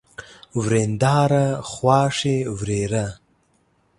ورېنداره ، خواښې، ورېره